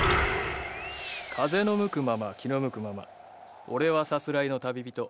風の向くまま気の向くまま俺はさすらいの旅人。